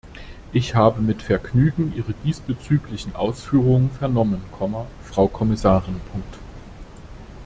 Ich haben mit Vergnügen Ihre diesbezüglichen Ausführungen vernommen, Frau Kommissarin.